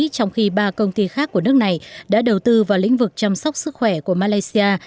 trong khi ba công ty khác của nước này đã đầu tư vào lĩnh vực chăm sóc sức khỏe của malaysia